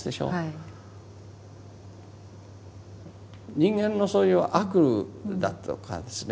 人間のそういう悪だとかですね